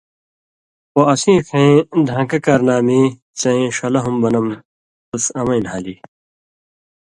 خو اسیں ݜَیں دھان٘کہ کارنامی څَیں ݜلہ بنم تُس امَیں نھالی